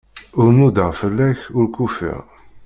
Ur nudaɣ fell-ak, ur k-ufiɣ.